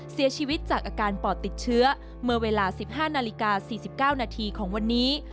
เสียชีวิตจากอาการปอดติดเชื้อเมื่อเวลา๑๕นาฬิกา๔๙นาทีของวันนี้